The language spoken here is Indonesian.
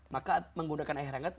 maka menggunakan air hangat